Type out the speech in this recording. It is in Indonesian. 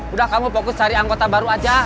udah kamu fokus cari anggota baru aja